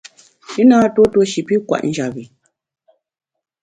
I na ntuo tuo shi pi kwet njap bi.